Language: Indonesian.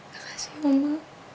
terima kasih oma